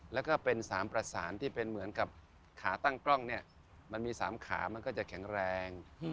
แล้วก็เป็น๓ประสานที่เป็นเหมือนกับขาตั้งกล้องเนี่ยมันมี๓ขามันก็จะแข็งแรง